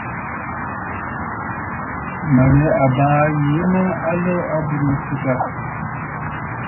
Mə̀ nɨ àbaa yìi mə a lo a aburə nsɨgə aà.